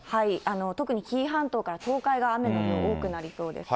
特に紀伊半島から東海が雨の量多くなりそうです。